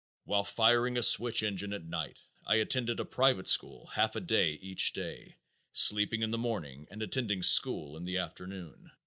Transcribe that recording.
While firing a switch engine at night I attended a private school half a day each day, sleeping in the morning and attending school in the afternoon.